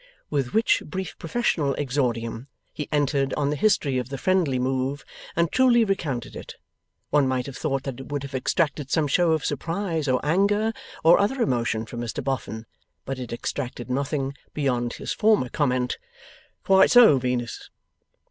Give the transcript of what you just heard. With which brief professional exordium, he entered on the history of the friendly move, and truly recounted it. One might have thought that it would have extracted some show of surprise or anger, or other emotion, from Mr Boffin, but it extracted nothing beyond his former comment: 'Quite so, Venus.